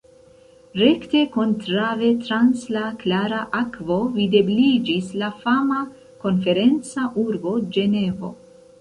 Rekte kontraŭe trans la klara akvo videbliĝis la fama konferenca urbo Ĝenevo.